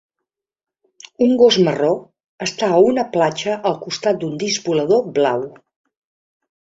Un gos marró està a una platja al costat d'un disc volador blau.